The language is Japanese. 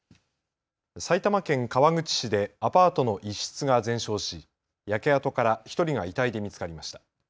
埼玉県川口市でアパートの一室が全焼し焼け跡から１人が遺体で見つかりました。